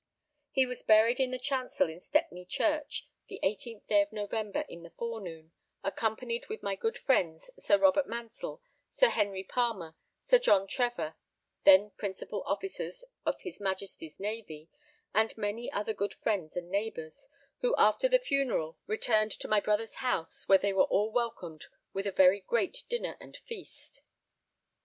He was buried in the chancel in Stepney Church the 18th day of November in the forenoon, accompanied with my good friends Sir Robert Mansell, Sir Henry Palmer, Sir John Trevor, then Principal Officers of His Majesty's Navy, and many other good friends and neighbours, who after the funeral returned to my brother's house, where they all were welcomed with a very great dinner and feast.